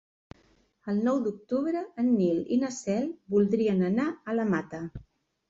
El nou d'octubre en Nil i na Cel voldrien anar a la Mata.